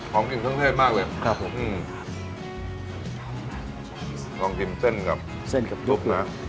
หอมกินเครื่องเทพมากเลยครับผมอืมลองกินเส้นกับเส้นกับเนื้อเปลือย